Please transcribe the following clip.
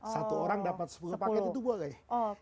satu orang dapat sepuluh paket itu boleh